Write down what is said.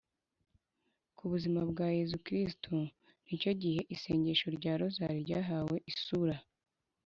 ku buzima bwa yezu kristu nicyo gihe isengesho rya rozali ryahawe isura